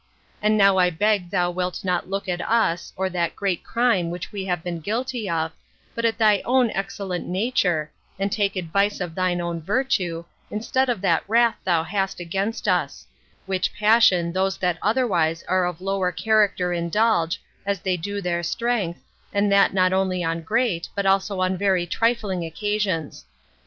And now I beg thou wilt not look at us, or at that great crime we have been guilty of, but at thy own excellent nature, and take advice of thine own virtue, instead of that wrath thou hast against us; which passion those that otherwise are of lower character indulge, as they do their strength, and that not only on great, but also on very trifling occasions.